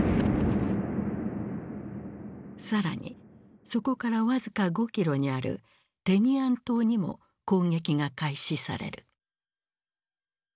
更にそこから僅か５キロにあるテニアン島にも攻撃が開始される。